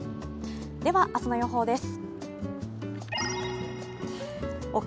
では、明日の予報です。